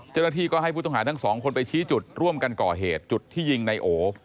เจ้าหน้าที่ก็ให้ผู้ต้องหาทั้งสองคนไปชี้จุดร่วมกันก่อเหตุจุดที่ยิงในโอ